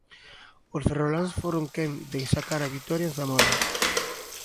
Os ferroláns foron quen de sacar a vitoria en Zamora.